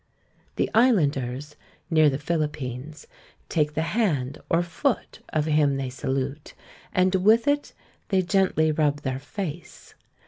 The Islanders, near the Philippines, take the hand or foot of him they salute, and with it they gently rub their face.